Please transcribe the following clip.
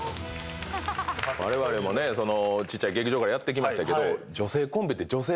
われわれもねちっちゃい劇場からやってきましたけど。